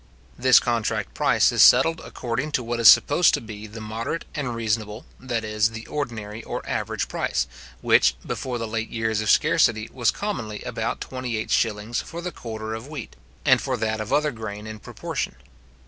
This contract price is settled according to what is supposed to be the moderate and reasonable, that is, the ordinary or average price, which, before the late years of scarcity, was commonly about 28s. for the quarter of wheat, and for that of other grain in proportion.